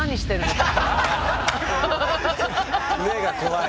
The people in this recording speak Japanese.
目が怖い。